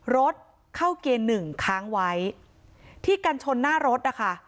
รถเข้าเกณฑ์หนึ่งค้างไว้ที่กันชนหน้ารถนะคะ